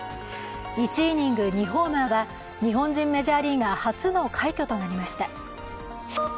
１イニング２ホーマーは日本人メジャーリーガー初の快挙となりました。